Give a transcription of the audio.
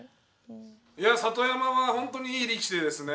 いや里山はホントにいい力士でですね。